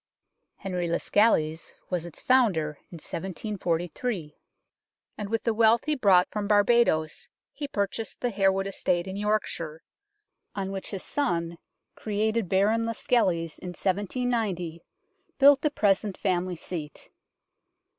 Henry Lascelles was its founder in 1743, and with the wealth he brought from Barbadoes he pur chased the Harewood estate in Yorkshire, on which his son, created Baron Lascelles in 1790, built the present family seat.